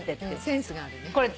センスがあるね。